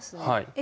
え